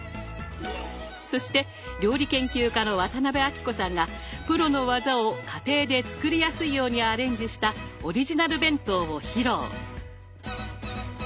そして料理研究家の渡辺あきこさんがプロの技を家庭で作りやすいようにアレンジしたオリジナル弁当を披露。